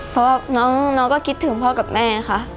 เพราะว่าน้องก็คิดถึงพ่อกับแม่ค่ะ